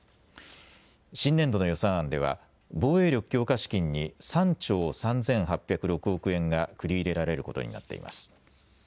新年度の予算案では防衛力強化資金に３兆３８０６億円が繰り入れられることになっています。